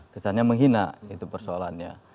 kesannya menghina itu persoalannya